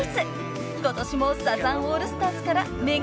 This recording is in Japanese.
［今年もサザンオールスターズから目が離せません］